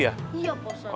iya pak ustadz